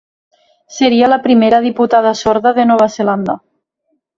Seria la primera diputada sorda de Nova Zelanda.